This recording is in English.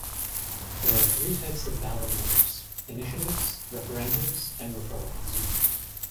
There are three types of ballot measures: initiatives, referendums, and referrals.